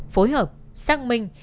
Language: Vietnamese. phối hợp xác minh